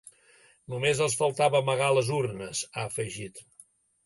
Només els faltava amagar les urnes, ha afegit.